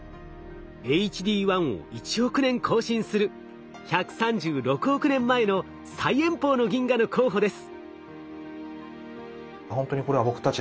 ＨＤ１を１億年更新する１３６億年前の最遠方の銀河の候補です。